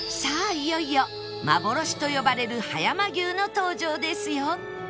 いよいよ幻と呼ばれる葉山牛の登場ですよ